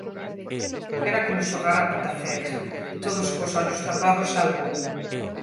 Era como xogar á pita cega, todos cos ollos tapados salvo un.